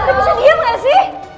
lo bisa diam gak sih